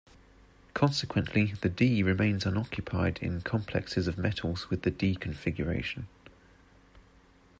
Consequently, the d remains unoccupied in complexes of metals with the d configuration.